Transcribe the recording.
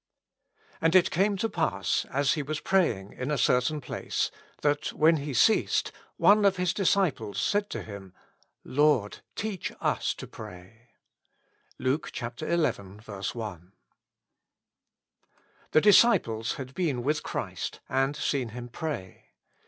And it came to pass, as He was praying in a certain place, that when He ceased, one of His disciples said to Him, Lord, teach us to pray, — LuKE xi. I. THE disciples had been with Christ and seen Him pray.